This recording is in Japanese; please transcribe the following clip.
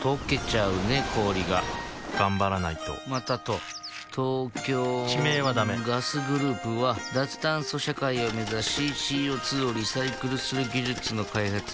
氷が頑張らないとまたと東京地名はダメガスグループは脱炭素社会を目指しＣＯ２をリサイクルする技術の開発をしています